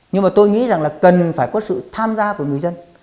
nhưng mà tôi nghĩ rằng là cần phải có sự tham gia của người dân